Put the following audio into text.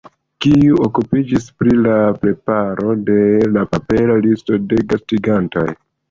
Kiu okupiĝis pri la preparo de la papera listo de gastigantoj?